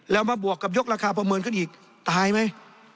แล้วมาบวกกับยกราคาประเมินขึ้นอีกตายไหม